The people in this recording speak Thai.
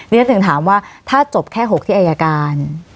ฉันถึงถามว่าถ้าจบแค่๖ที่อายการ